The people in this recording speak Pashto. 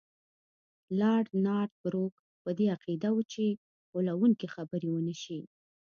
لارډ نارت بروک په دې عقیده وو چې غولونکي خبرې ونه شي.